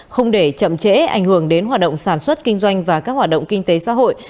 không để chậm chẽ ảnh hưởng đến hoạt động sản xuất kinh doanh và các hoạt động kinh tế xã hội